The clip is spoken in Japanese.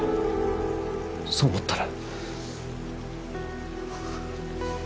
そう思ったら。